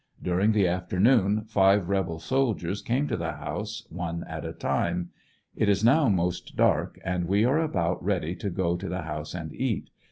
During the afternoon five rebel soldiers came to the house, one at a time. It is now most dark and we are about ready to go to the house and eat.